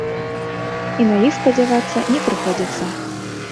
І на іх спадзявацца не прыходзіцца.